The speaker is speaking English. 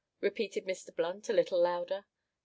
repeated Mr Blunt a little louder. "Eh?